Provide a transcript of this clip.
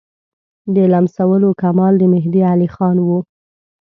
د لمسولو کمال د مهدي علیخان وو.